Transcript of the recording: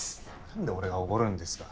何で俺が奢るんですか？